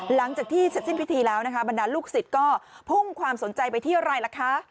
หลังจากที่เสร็จสิ้นพิธีแล้วนะคะบรรดาลูกศิษย์ก็พุ่งความสนใจไปที่อะไรล่ะคะ